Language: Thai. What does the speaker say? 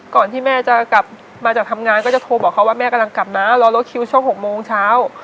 ก่อนที่แม่จะกลับมาจากทำงานก็จะโทรบอกเขาว่าแม่กำลังกลับนะรอรถคิวช่วง๖โมงเช้า